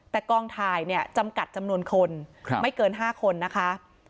แต่กองถ่ายเนี่ยจำกัดจำนวนคนไม่เกิน๕คนนะคะ